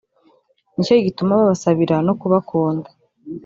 ni cyo gituma babasabira no kubakunda